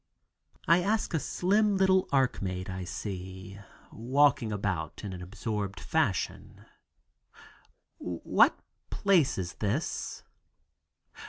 I ask a slim little Arc maid I see walking about in absorbed fashion, "What place is this?"